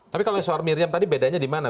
tapi kalau soal miriam tadi bedanya di mana